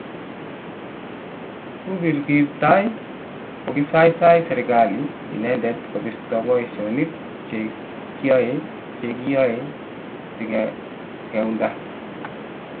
kukikirat kokiisaisai serikalit inendet kobisto boisinik che kiyoe che kiyoe sikeunda